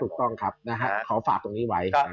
ถูกต้องครับขอฝากตรงนี้ไว้